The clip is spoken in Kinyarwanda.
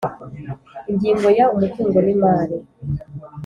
Ingingo ya Umutungo n imari